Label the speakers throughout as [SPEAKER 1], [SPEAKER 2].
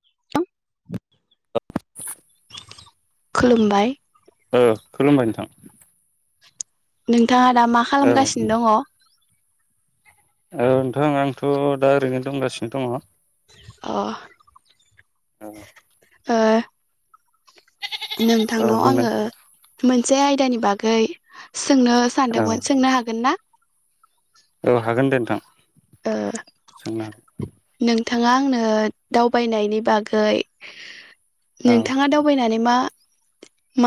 [SPEAKER 1] [inaudible]
[SPEAKER 2] [inaudible]
[SPEAKER 1] खुलुमबाय।
[SPEAKER 2] ओ खुलुमबाय नोंथां।
[SPEAKER 1] नों थाङा दा मा
[SPEAKER 2] औ
[SPEAKER 1] खालामगासिनो दङ?
[SPEAKER 2] औ नोंथां आंथ' दा ओरैनो दंगासिनो दङ।
[SPEAKER 1] अ ओ
[SPEAKER 2] औ
[SPEAKER 1] नोंथांनाव
[SPEAKER 2] बुंनाय
[SPEAKER 1] आङो मोन से आयदानि बागै सोंनो
[SPEAKER 2] औ
[SPEAKER 1] सानदोंमोन सोंनो हागोन ना?
[SPEAKER 2] औ हागोन दे नोंथां। सोंनो।
[SPEAKER 1] नोंथांङा आंनो दावबायनायनि बागै
[SPEAKER 2] औ
[SPEAKER 1] नोंथांङा दावबायनानै मा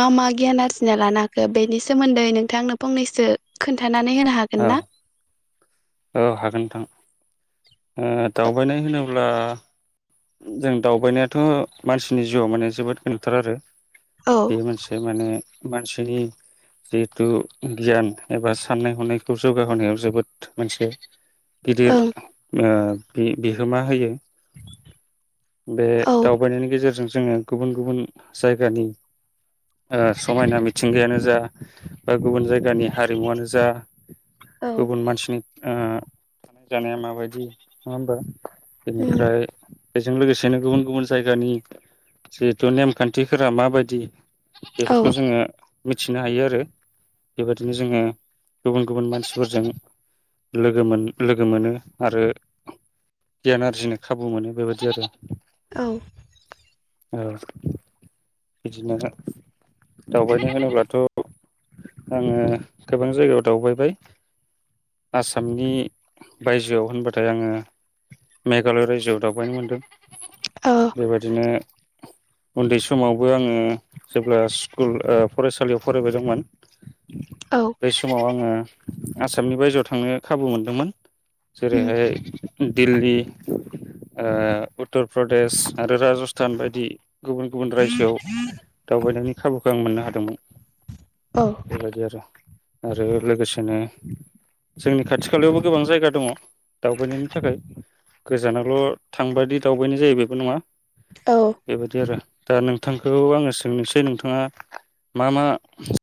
[SPEAKER 1] मा मा गियान आरजिना लानो हाखो बेनि सोमोन्दै नोंथांनो फंनैसो खोन्थानो होनो
[SPEAKER 2] औ
[SPEAKER 1] हागोन ना
[SPEAKER 2] औ हागोन नोंथां दावबायनाय होनोब्ला जों दावबायनायाथ मानसिनि जिउआव माने जोबोद गोनांथार आरो
[SPEAKER 1] औ
[SPEAKER 2] बे मोनसे माने मानसिनि जिहेथु गियान एबा साननाय हनायखौ जौगाहोनायाव जोबोद मोनसे गिदिर
[SPEAKER 1] ओं
[SPEAKER 2] ओ बि बिहोमा होयो बे
[SPEAKER 1] औ
[SPEAKER 2] दावबायनायनि गेजेरजों जोङो गुबुन गुबुन जायगानि समायना मिथिंगायानो जा बा गुबुन जायगानि हारिमुआनो जा
[SPEAKER 1] औ
[SPEAKER 2] गुबुन मानसिनि ओ जानाया माबायदि नंङा होमबा
[SPEAKER 1] उम
[SPEAKER 2] बेनिफ्राय बेजों लोगोसेनो गुबुन गुबुन जायगानि जिहेथु नेमखान्थिफोरा माबायदि
[SPEAKER 1] औ
[SPEAKER 2] बेफोरखौ जोङो मिथिनो हायो आरो बेबायदिनो जोङो गुबुन गुबुन मानसिफोरजों लोगो मोन लोगो मोनो आरो गियान आरजिनो खाबु मोनो बेबायदि जेरो
[SPEAKER 1] औ
[SPEAKER 2] ओ बिदिनो दावबायनो होनोबाथ आङो गोबां जायगायाव दावबायबाय आसामनि बायजोआव होनबाथाय आङो मेघालय रायजोआव दावबाय बायनो मोनदों
[SPEAKER 1] ओ
[SPEAKER 2] बेबायदिनो उन्दै समावबो आङो जेब्ला स्कुल ओ फरायसालियाव फरायबाय दंमोन
[SPEAKER 1] औ
[SPEAKER 2] बै समाव आङो आसामनि बायजोआव थांनो खाबु मोनदोंमोन जेरै
[SPEAKER 1] उम
[SPEAKER 2] हाय दिल्ली ओ उत्तर प्रदेश आरो राजस्थान बायदि गुबुन गुबुन रायजोआव दावबायनायनि खाबुखौ आं मोननो हादोंमोन
[SPEAKER 1] औ
[SPEAKER 2] लागै आरो आरो लोगोसेनो जोंनि खाथि खालायावबो गोबां जायगा दङ दावबायनायनि थाखाय गोजानावाल थांबादि दावबायनाय जायो बेबो नङा
[SPEAKER 1] औ ओ
[SPEAKER 2] बेबायदि आरो दा नोंथांखौ आङो सोंनोसै नोंथाङा मा मा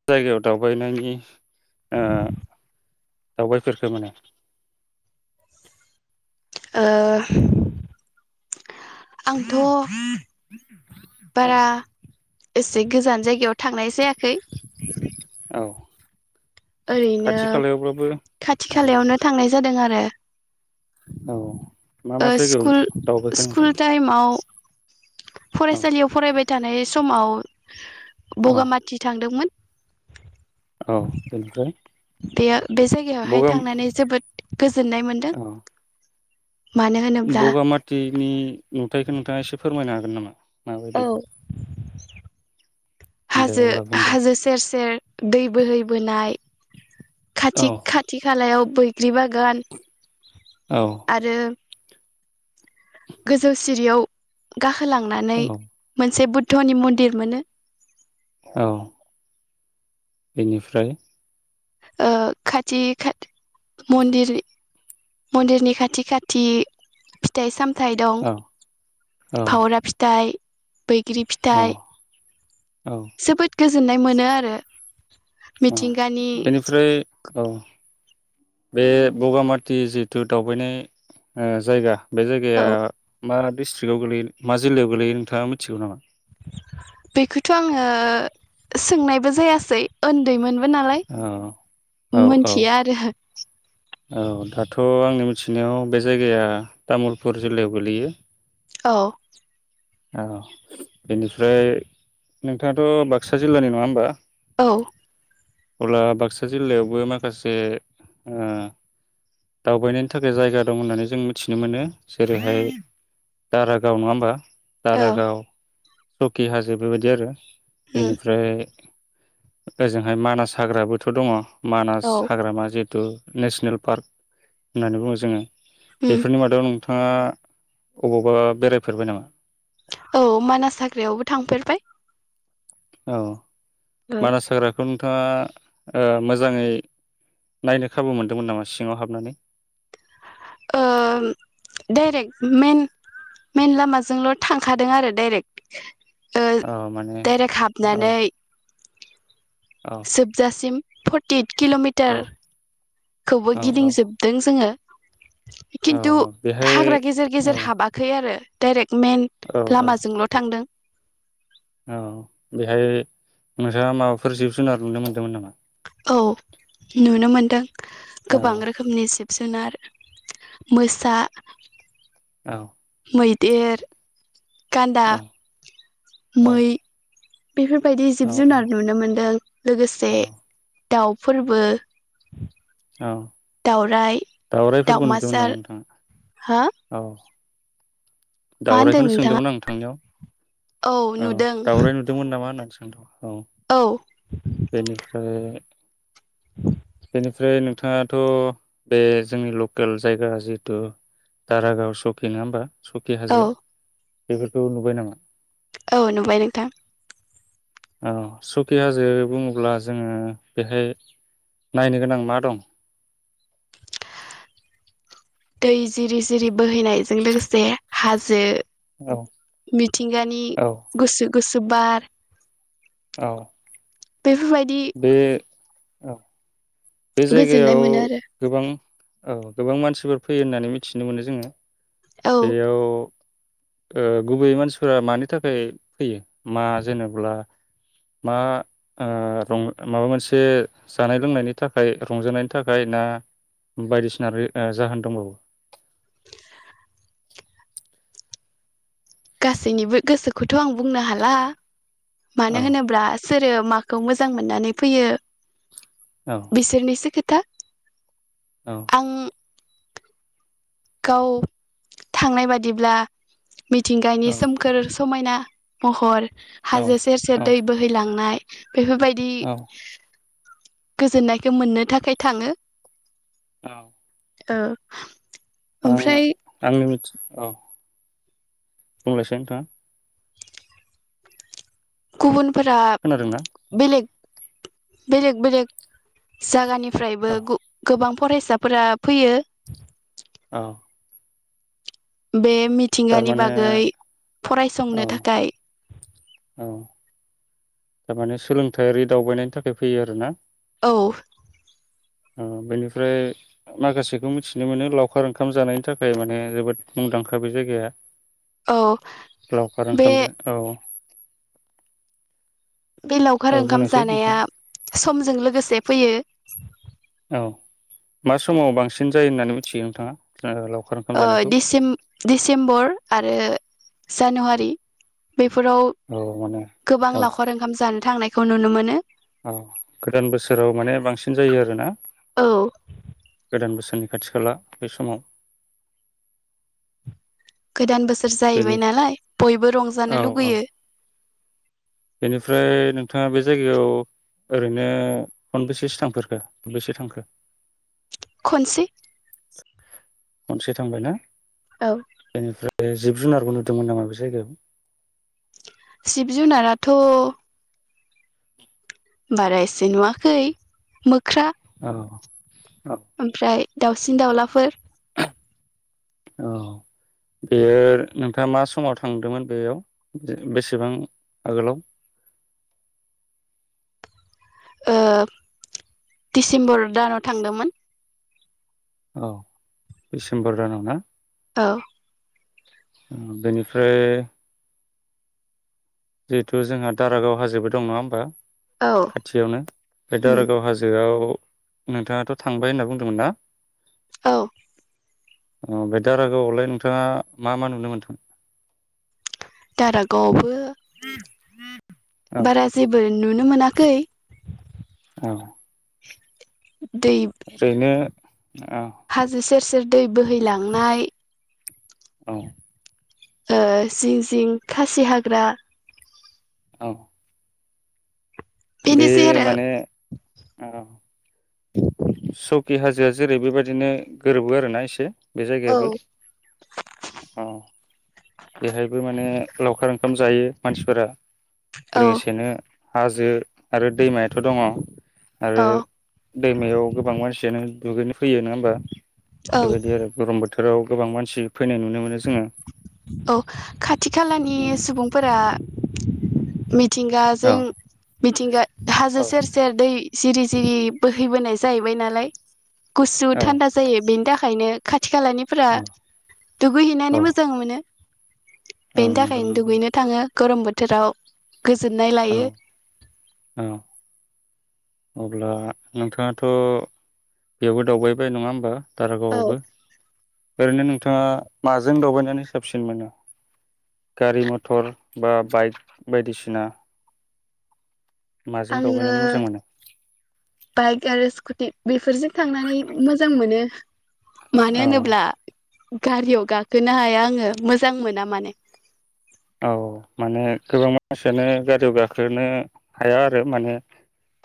[SPEAKER 2] जायगायाव दावबायनायनि ओ दावबायफोरखौ माने
[SPEAKER 1] ओ आंथ'
[SPEAKER 2] औ
[SPEAKER 1] बारा एसे गोजान जायगायाव थांनाय जायाखै
[SPEAKER 2] औ
[SPEAKER 1] ओरैनो
[SPEAKER 2] खाथि खालायावब्लाबो
[SPEAKER 1] खाथि
[SPEAKER 2] औ
[SPEAKER 1] खालायावनो थांनाय जादों आरो
[SPEAKER 2] औ मा
[SPEAKER 1] ओ
[SPEAKER 2] मा जायगायाव
[SPEAKER 1] स्कुल
[SPEAKER 2] दावबायखो
[SPEAKER 1] स्कुल
[SPEAKER 2] नोंथां
[SPEAKER 1] टाइमाव फरायसालियाव फरायबाय थानाय समाव
[SPEAKER 2] औ औ
[SPEAKER 1] [unintelligible]
[SPEAKER 2] औ बेनिफ्राय
[SPEAKER 1] बेयो बे जायगायावहाय
[SPEAKER 2] बगा
[SPEAKER 1] थांनानै जोबोद गोजोननाय मोनदों
[SPEAKER 2] औ
[SPEAKER 1] मानो होनोब्ला
[SPEAKER 2] बगामाथिनि नुथाइखौ नोंथाङा एसे फोरमायनो हागोन गोन नामा? मा
[SPEAKER 1] औ
[SPEAKER 2] बायदि
[SPEAKER 1] हाजो हाजो सेर सेर दै बोहैबोनाय खाथि
[SPEAKER 2] औ
[SPEAKER 1] खाथि खालायाव बैग्रि बागान
[SPEAKER 2] औ
[SPEAKER 1] आरो गोजौ सिरियाव गाहाय बोलांनानै
[SPEAKER 2] औ
[SPEAKER 1] मोनसे बु धनि मन्दिर मोनो
[SPEAKER 2] औ बेनिफ्राय
[SPEAKER 1] खाथि खाथि मन्दिरनि खाथि खाथि फिथाइ सामथ फिथाय दं
[SPEAKER 2] औ औ
[SPEAKER 1] फावरा फिथा [unintelligible] बैग्रि
[SPEAKER 2] औ
[SPEAKER 1] फिथाइ
[SPEAKER 2] औ
[SPEAKER 1] जोबोद गोजोननाय मोनो आरो
[SPEAKER 2] औ
[SPEAKER 1] मिथिंगानि
[SPEAKER 2] बेनिफ्राय औ बे बगामाति जिथु दावबायनाय जायगा बे जायगाया मा डिस्ट्रिकआव गोलैयो मा जिल्लायाव गोलैयो नोंथाङा मिथिगौ नामा?
[SPEAKER 1] बेखौथ' आंङो सोंनायबो जायासै उन्दैमोन नालाय
[SPEAKER 2] औ औ औ
[SPEAKER 1] मोनथिया आरो
[SPEAKER 2] औ दाथ आंनि मिथिनायाव बे जायगाया तामुलपुर जिल्लायाव गोलैयो।
[SPEAKER 1] औ
[SPEAKER 2] औ बेनिफ्राय नोंथाङाथ' बाक्सा जिल्लानि नंङा होमबा
[SPEAKER 1] औ
[SPEAKER 2] अब्ला बाक्सा जिल्लायावबो माखासे ओ दावबायनायनि थाखाय जायगा दं होननानै जों मिथिनो मोनो जेरैहाय दारागाव नंङा होमबा।
[SPEAKER 1] औ
[SPEAKER 2] दारागाव सकि हाजो आरो बेबायदि आरो
[SPEAKER 1] उम
[SPEAKER 2] बेनिफ्राय ओजोंहाय मानास हाग्राबोथ' दंङ मानास
[SPEAKER 1] औ
[SPEAKER 2] हाग्रामा जिहेतु नेस नेसनेल पार्क होननानै बुङो जोंङो
[SPEAKER 1] उम
[SPEAKER 2] बेफोरनि मादाव नोंथाङा अबावबा बेरायफेरबाय नामा?
[SPEAKER 1] औ मानास हाग्रायावबो थांफेरबाय
[SPEAKER 2] औ
[SPEAKER 1] ओ
[SPEAKER 2] मानास हाग्राखौनो नोंथाङा ओ मोजाङै नायनो खाबु मोनदोंमोन नामा सिङाव हाबनानै
[SPEAKER 1] ओ डाइरेक्ट मेन मेन लामाजोंल थांखादों आरो डाइरेक्ट। ओ
[SPEAKER 2] औ माने
[SPEAKER 1] डाइरेक्ट
[SPEAKER 2] औ
[SPEAKER 1] हाबनानै
[SPEAKER 2] औ
[SPEAKER 1] जोबजासिम फटिट
[SPEAKER 2] औ
[SPEAKER 1] किलमिटार खौबो
[SPEAKER 2] औ औ
[SPEAKER 1] गिदिंजोबदों जोंङो।
[SPEAKER 2] औ
[SPEAKER 1] खिन्थु
[SPEAKER 2] बेहाय
[SPEAKER 1] हाग्रा गेजेर
[SPEAKER 2] औ
[SPEAKER 1] गेजेर हाबाखै आरो डायरेक मेन
[SPEAKER 2] औ औ
[SPEAKER 1] लामाजोंल' थांदों
[SPEAKER 2] औ बेहाय नोंथाङा माबाफोर जिब जुनार नुनो मोन्दोंमोन नामा?
[SPEAKER 1] औ नुनो मोनदों
[SPEAKER 2] औ
[SPEAKER 1] गोबां रोखोमनिसिम जुनार मोसा
[SPEAKER 2] औ
[SPEAKER 1] मैदेर गान्दा
[SPEAKER 2] औ औ
[SPEAKER 1] मै बेफोरबायदि
[SPEAKER 2] औ
[SPEAKER 1] जिब जुनार नुनो मोन्दों लोगोसे
[SPEAKER 2] औ
[SPEAKER 1] दाउ फोरबो
[SPEAKER 2] औ दावरायफोरखौ नुदोंमोन
[SPEAKER 1] दाउमासार
[SPEAKER 2] नामा
[SPEAKER 1] हो
[SPEAKER 2] नोंथाङा औ।
[SPEAKER 1] मा होनदों
[SPEAKER 2] दावरायखौनो
[SPEAKER 1] नोंथाङा
[SPEAKER 2] सोंदोंमोन आं नोंथांनियाव।
[SPEAKER 1] औ
[SPEAKER 2] अ
[SPEAKER 1] नुदों
[SPEAKER 2] दाउराय नुदोंमोन नामा होननानै। सोंदों औ बेनिफ्राय
[SPEAKER 1] [inaudible]
[SPEAKER 2] बेनिफ्राय नोंथाङाथ' बे जोंनि लकेल जायगा जिहेतु दारागाव सकि नङा होमबा सक। दकि
[SPEAKER 1] औ
[SPEAKER 2] हाजो बेफोरखौ नुबाय नामा?
[SPEAKER 1] औ नुबाय नोंथां।
[SPEAKER 2] औ सुकि हाजो बुङोब्ला जोङो बेहाय नायनो गोनां मा दं?
[SPEAKER 1] दै जिरि जिरि बोहैनायजों लोगोसे हाजो।
[SPEAKER 2] औ
[SPEAKER 1] मिथिंगानि
[SPEAKER 2] औ
[SPEAKER 1] गुसु गुसु। सु बार
[SPEAKER 2] औ
[SPEAKER 1] बेफोरबायदि
[SPEAKER 2] बे औ बे
[SPEAKER 1] गोजोननाय
[SPEAKER 2] जायगायाव
[SPEAKER 1] मोनो आरो
[SPEAKER 2] गोबां औ गोबां मानसिफोर फैयो होननानै मिथिनो मोनो जोङो।
[SPEAKER 1] औ
[SPEAKER 2] बेयाव ओ गुबैयै मानसिफोरा मानि थाखाय फैयो मा जेनेब्ला मा ओ रं माबा मोनसे जानाय लोंनायनि थाखाय रंजानायनि थाखाय ना बायदिसिना रि ओ जाहोन दंबावो?
[SPEAKER 1] गासैनिबो गोसोखौ थ' आं बुंनो हाला।
[SPEAKER 2] औ
[SPEAKER 1] मानो होनोब्ला सोरो माखौ मोजां मोननानै फैयो।
[SPEAKER 2] औ
[SPEAKER 1] बिसोरनिसो खो था
[SPEAKER 2] औ
[SPEAKER 1] आं गाव थांनाय बादिब्ला मिथिंगानि
[SPEAKER 2] औ
[SPEAKER 1] सोमखोर समायना महर
[SPEAKER 2] औ
[SPEAKER 1] हाजो सेर सेर
[SPEAKER 2] औ
[SPEAKER 1] दै बोहैलांनाय बेफोरबायदि
[SPEAKER 2] औ
[SPEAKER 1] गोजोन्नायखौ मोननो थाखाय थाङो
[SPEAKER 2] औ
[SPEAKER 1] ओ
[SPEAKER 2] आं
[SPEAKER 1] ओमफ्राय
[SPEAKER 2] आंनो मिथि औ बुंंलायसाय नोंथां
[SPEAKER 1] गुबुन फोरा
[SPEAKER 2] खोनादोंना
[SPEAKER 1] बेलेग बेलेग बेलेक जागानि फ्रायबो
[SPEAKER 2] औ
[SPEAKER 1] गु गोबां फरायसाफोरा फैयो
[SPEAKER 2] औ
[SPEAKER 1] बे मिथिंगानि
[SPEAKER 2] थारमाने
[SPEAKER 1] बागै
[SPEAKER 2] औ
[SPEAKER 1] फरायसंनो थाखाय
[SPEAKER 2] औ थारमाने सोलोंथायारि दावबायनायनि थाखाय फैयो आरो ना?
[SPEAKER 1] औ
[SPEAKER 2] ओं बेनिफ्राय माखासेखौ मिथिनो मोनो लावखार ओंखाम जानायनि थाखाय माने जोबोद मुंदांखा बे जायगाया
[SPEAKER 1] औ
[SPEAKER 2] लावखार
[SPEAKER 1] बे
[SPEAKER 2] ओंखामजों औ
[SPEAKER 1] बे
[SPEAKER 2] औ
[SPEAKER 1] लावखार ओंखाम
[SPEAKER 2] बुंनायसै नोंथां
[SPEAKER 1] जानाया समजों लोगोसे फैयो
[SPEAKER 2] औ मा समाव बांसिन जायो होननानै मिथियो नोंथाङा लावखार ओंखाम
[SPEAKER 1] ओ
[SPEAKER 2] जानायखौ
[SPEAKER 1] दिसिम दिसिम्बर आरो जानुवारि बेफोराव
[SPEAKER 2] औ माने
[SPEAKER 1] गोबां
[SPEAKER 2] औ
[SPEAKER 1] लावखार ओंखाम जानो थांनाय बेखौ नुनो मोनो
[SPEAKER 2] औ गोदान बोसोराव माने बांसिन जायो आरोना
[SPEAKER 1] औ
[SPEAKER 2] नि खाथि खाला बे समाव
[SPEAKER 1] गोदान बोसोर
[SPEAKER 2] बेनि
[SPEAKER 1] जाहैबाय नालाय बयबो
[SPEAKER 2] औ
[SPEAKER 1] रंजानो
[SPEAKER 2] औ
[SPEAKER 1] लुुबगैयो
[SPEAKER 2] बेनिफ्राय नोंथाङा बे जायगायाव ओरैनो खनबेसेसो थांफोरखो खनबेसे थांखो
[SPEAKER 1] खनसे
[SPEAKER 2] खनसे थांबाय ना
[SPEAKER 1] औ
[SPEAKER 2] बेनिफ्राइ बे जिब जुनारबो नुदोंमोन नामा बे जायगायाव
[SPEAKER 1] जिब जुनाराथ बारा एसे नुवाखै मोख्रा
[SPEAKER 2] औ
[SPEAKER 1] ओमफ्राय दाउसिन-दाउलाफोर
[SPEAKER 2] औ बेयो नोंथाङा मा समाव थांदोंमोन बेयाव बेसेबां आगोलाव
[SPEAKER 1] ओ दिसेम्बर दानाव थांदोंमोन।
[SPEAKER 2] औ डिसेम्बर दानाव ना?
[SPEAKER 1] औ
[SPEAKER 2] ओ बेनिफ्राय जिहेथु जोंहा दारागाव हाजोबो दं नङा होमबा।
[SPEAKER 1] औ
[SPEAKER 2] खाथियावनो बे
[SPEAKER 1] उम
[SPEAKER 2] दारागाव हाजोआव नोंथाङाथ' थांबाय होनना बुंदोंमोन ना?
[SPEAKER 1] औ
[SPEAKER 2] अ बे दारागावआवलाय नोंथाङा मा मा नुनो मोन्दों।
[SPEAKER 1] दारागावआवबो
[SPEAKER 2] ह [inaudible]
[SPEAKER 1] बारा जेबो नुनो मोनाखै
[SPEAKER 2] औ
[SPEAKER 1] दै
[SPEAKER 2] ओरैनो औ
[SPEAKER 1] हाजो सेर सेर दै बोहैलांनाय
[SPEAKER 2] औ
[SPEAKER 1] ओ जिं जिं खासि हाग्रा
[SPEAKER 2] औ बे
[SPEAKER 1] बेनोसै आरो
[SPEAKER 2] माने औ सकि हाजोआ जेरै बेबायदिनो गोरोबो आरोना एसे। बे
[SPEAKER 1] औ
[SPEAKER 2] जायगायाबो अ बेहायबो माने लावखार ओंखाम जायो मानसिफोरा
[SPEAKER 1] औ
[SPEAKER 2] लोगोसेनो हाजो आरो दैमायाथ' दङ। आरो
[SPEAKER 1] औ
[SPEAKER 2] दैमायाव गोबां मानसि बिनो दुगैनो फैयो नङा होमबा।
[SPEAKER 1] ओं
[SPEAKER 2] बेबायदि आरो गरम बो थोराव गोबां मानसि फैनाय नुनो मोनो जोङो।
[SPEAKER 1] औ खाथि खालानि
[SPEAKER 2] उम
[SPEAKER 1] सुबुंफोरा [unintelligible]
[SPEAKER 2] औ
[SPEAKER 1] मिथिंगाजों मिथिंगा हाजो
[SPEAKER 2] औ
[SPEAKER 1] सेर सेर दै जिरि जिरि बोहैबोनाय जाहैबाय नालाय गुसु
[SPEAKER 2] औ
[SPEAKER 1] थान्दा जायो बेनि थाखायनो थिखा लानिफोरा
[SPEAKER 2] औ
[SPEAKER 1] दुगैहैनानै मोजां [inaudible]
[SPEAKER 2] औ
[SPEAKER 1] बेनि
[SPEAKER 2] नंगौ
[SPEAKER 1] थाखायनो
[SPEAKER 2] नंगौ
[SPEAKER 1] दुगैनो
[SPEAKER 2] नोंथां
[SPEAKER 1] थाङो गरम बोथोर थोराव गोजोननाय
[SPEAKER 2] औ
[SPEAKER 1] लायो।
[SPEAKER 2] औ। अब्ला नोंथाङाथ बेयावबो दावबायबाय नङा होमबा।
[SPEAKER 1] औ
[SPEAKER 2] दारागावावबो ओरैनो नोंथाङा माजों दावबायनानै साबसिन मोनो गारि मथर बा बाइक बायदिसिना? माजों
[SPEAKER 1] आङो
[SPEAKER 2] दावबायनानै मोजां मोनो।
[SPEAKER 1] बाइक आरो स्कुटि बेफोरजों थांनानै मोजां मोनो। मानो
[SPEAKER 2] औ
[SPEAKER 1] होनोब्ला? गारियाव गाखोनो हाया आङो मोजां मोना माने।
[SPEAKER 2] औ माने गोबां मानसियानो गारियाव गाखोनो हाया आरो माने।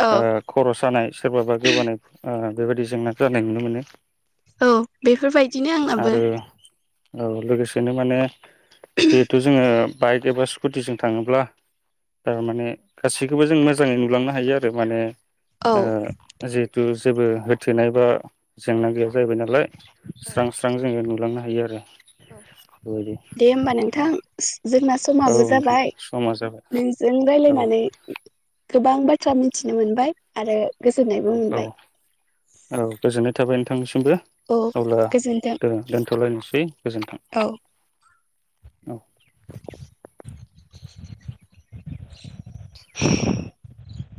[SPEAKER 1] औ
[SPEAKER 2] खर सानाय सोरबाबा गोबानाय ओ बेबायदि जेंनाखौ जानाय नुनो मोनो
[SPEAKER 1] औ बेफोरबायदिनो आंनाबो।
[SPEAKER 2] आरो औ लोगोसेनो माने बेथ बाइक एबा स्कुटिजों थाङोब्ला थारमाने गासैखौबो जों मोजाङै नुलांनो हायो आरो माने
[SPEAKER 1] औ
[SPEAKER 2] ओ जिहतु जेबो होथेनाय बा जेंना गैया जाहैबाय नालाय। स्रां स्रां जोङो नुलांनो हा हायो आरो।
[SPEAKER 1] औ
[SPEAKER 2] बेबायदि
[SPEAKER 1] दे होमबा
[SPEAKER 2] औ
[SPEAKER 1] नोंथां। जोंना
[SPEAKER 2] औ
[SPEAKER 1] समाबो
[SPEAKER 2] नोंथां
[SPEAKER 1] जाबाय
[SPEAKER 2] समा जाबाय
[SPEAKER 1] नोंजों
[SPEAKER 2] औ
[SPEAKER 1] रायलायनानै गोबां बाथ्रा मिथिनो मोनबाय आरो। गोजोननायबो
[SPEAKER 2] औ औ
[SPEAKER 1] मोनबाय
[SPEAKER 2] औ गोजोना थाबाय नोंथांसिम। बो
[SPEAKER 1] औ
[SPEAKER 2] अब्ला
[SPEAKER 1] गोजोन्थों
[SPEAKER 2] द दोनथ लायनोसै गोजोन्थों।
[SPEAKER 1] औ
[SPEAKER 2] औ
[SPEAKER 1] [inaudible]